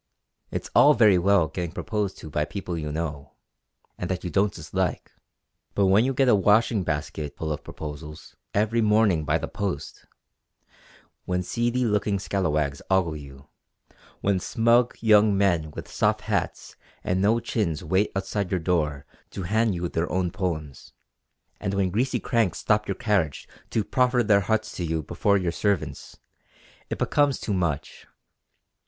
It's all very well getting proposed to by people you know, and that you don't dislike. But when you get a washing basket full of proposals every morning by the post; when seedy looking scallywags ogle you; when smug young men with soft hats and no chins wait outside your door to hand you their own poems; and when greasy cranks stop your carriage to proffer their hearts to you before your servants, it becomes too much.